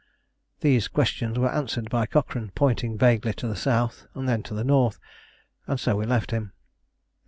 These questions were answered by Cochrane pointing vaguely to the south, and then to the north; and so we left him.